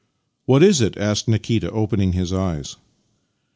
" What is it? " asked Nikita, opening his eyes.